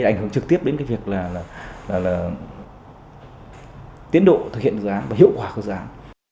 đảnh hưởng trực tiếp đến việc tiến độ thực hiện dự án và hiệu quả của dự án